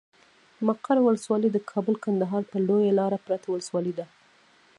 مقر ولسوالي د کابل کندهار پر لويه لاره پرته ولسوالي ده.